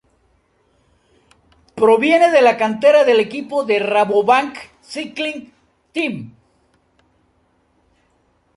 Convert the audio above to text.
Proviene de la cantera del equipo Rabobank Cycling Team.